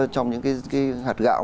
trong những cái hạt gạo